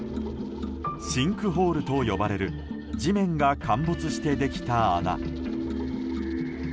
シンクホールと呼ばれる地面が陥没してできた穴。